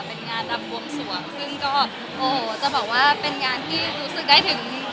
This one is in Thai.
เป็นงานรำบวงสวงซึ่งก็โอ้โหจะบอกว่าเป็นงานที่รู้สึกได้ถึง